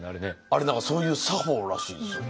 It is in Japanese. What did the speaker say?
あれ何かそういう作法らしいですよ。